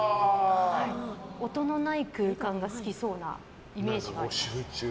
音のない空間が好きそうなイメージがあります。